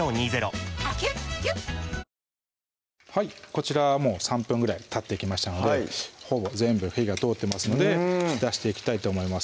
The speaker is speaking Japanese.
こちらもう３分ぐらいたってきましたのでほぼ全部火が通ってますので出していきたいと思います